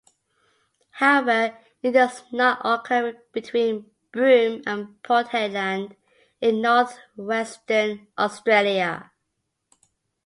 However, it does not occur between Broome and Port Hedland in northwestern Australia.